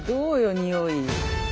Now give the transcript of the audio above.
におい。